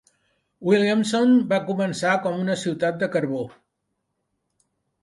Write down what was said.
Williamson va començar com una ciutat de carbó.